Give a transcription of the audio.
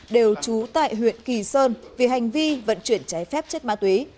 đều trú tại huyện kỳ sơn vì hành vi vận chuyển trái phép chất ma túy